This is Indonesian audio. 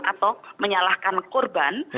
atau menyalahkan korban